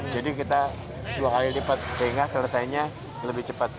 jadi kita dua kali lipat sehingga selesainya lebih cepat